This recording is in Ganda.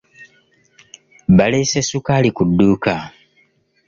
Baleese ssukaali ku dduuka.